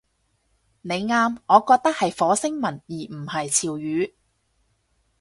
你啱，我覺得係火星文而唔係潮語